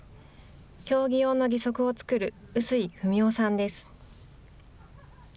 競技用の義足を作る臼井二美男さんです。